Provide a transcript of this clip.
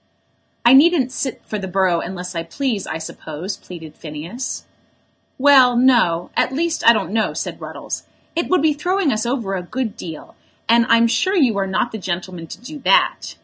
"I needn't sit for the borough unless I please, I suppose," pleaded Phineas. "Well, no; at least I don't know," said Ruddles. "It would be throwing us over a good deal, and I'm sure you are not the gentleman to do that.